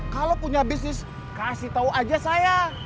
kalau punya bisnis kasih tau aja saya